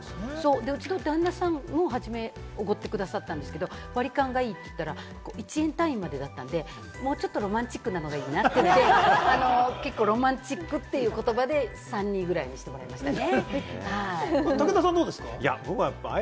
うちの旦那さんも初めはおごってくださったんですけど、割り勘がいいって言ったら、１円単位までだったんで、もうちょっとロマンチックなのがいいなって言って、結構ロマンチックっていう言葉で３対２ぐらいにしてもらいましたね。